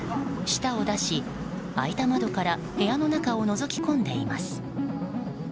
舌を出し、開いた窓から部屋の中をのぞき込んでいます。